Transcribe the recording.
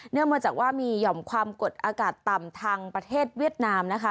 มาจากว่ามีหย่อมความกดอากาศต่ำทางประเทศเวียดนามนะคะ